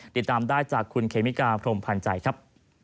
ติดตามได้จากคุณเคมิกาพรมพันธ์ใจครับ